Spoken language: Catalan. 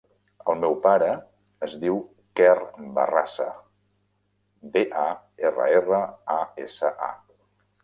El meu pare es diu Quer Barrasa: be, a, erra, erra, a, essa, a.